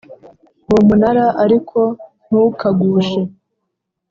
uwo munara ariko ntukagushe